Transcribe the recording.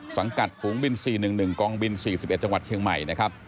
สังกัดฝูงบิน๔๑๑กองบิน๔๑จังหวัดเชียงใหม่นะครับ